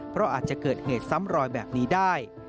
เพราะอาจจะเกิดเหตุซ้ำรอยแบบนี้ได้